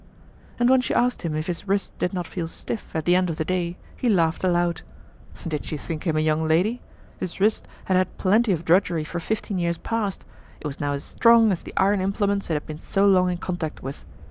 And when she asked him if his wrist did not feel stiff at the end of the day he laughed aloud. Did she think him a young lady? His wrist had had plenty of drudgery for fifteen years past; it was now as strong as the iron implements it had been so long in contact with.